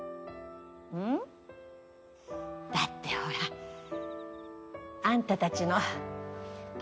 ん？だってほらあんたたちの態度がさ。